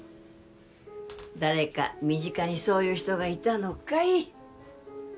誰か身近にそういう人がいたのかい？